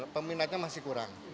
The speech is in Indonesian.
peminatnya masih kurang